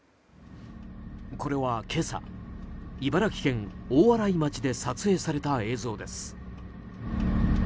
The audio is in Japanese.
これは今朝、茨城県大洗町で撮影された映像です。